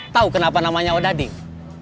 tahu kenapa namanya odading